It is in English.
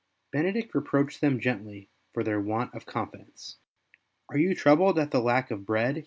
Benedict reproached them gently for their want of confidence. " Are you troubled at the lack of bread